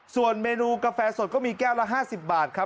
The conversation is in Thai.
ส่วนเมนูกาแฟสดก็มีแก้วละ๕๐บาทครับ